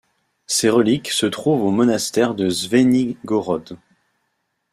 Ses reliques se trouvent au monastère à Zvenigorod.